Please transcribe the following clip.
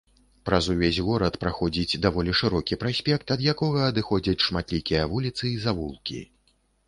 Праз увесь горад праходзіць даволі шырокі праспект, ад якога адыходзяць шматлікія вуліцы і завулкі.